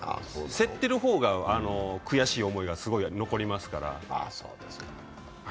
競ってる方が悔しい思いがすごい残りますから。